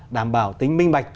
đảm bảo tính minh bạch